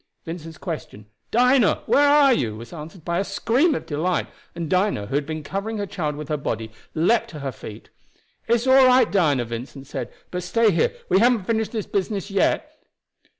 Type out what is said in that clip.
Vincent's question, "Dinah, where are you?" was answered by a scream of delight; and Dinah, who had been covering her child with her body, leaped to her feet. "It's all right, Dinah," Vincent said; "but stay here, we haven't finished this business yet."